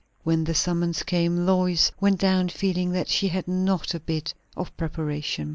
When the summons came, Lois went down feeling that she had not a bit of preparation.